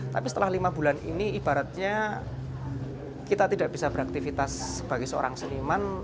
tapi setelah lima bulan ini ibaratnya kita tidak bisa beraktivitas sebagai seorang seniman